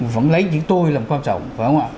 vẫn lấy chỉ tôi làm quan trọng phải không ạ